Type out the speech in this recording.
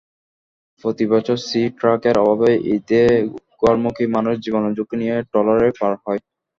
প্রতিবছর সি-ট্রাকের অভাবে ঈদে ঘরমুখী মানুষ জীবনের ঝুঁকি নিয়ে ট্রলারে পার হয়।